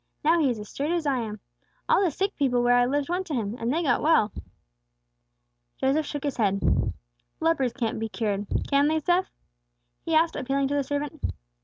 Now he is as straight as I am. All the sick people where I lived went to Him, and they got well." Joseph shook his head. "Lepers can't be cured. Can they, Seth?" he asked, appealing to the servant.